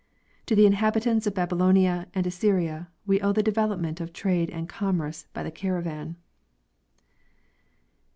To the inhabitants of Babylonia and Assyria we owe the de velopment of trade and commerce by the caravan.